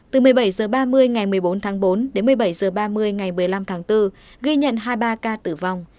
từ một mươi bảy h ba mươi ngày một mươi bốn tháng bốn đến một mươi bảy h ba mươi ngày một mươi năm tháng bốn ghi nhận hai mươi ba ca tử vong